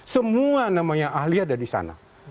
semua namanya ahli ada di sana